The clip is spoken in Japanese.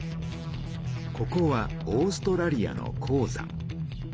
ここはオーストラリアの鉱山。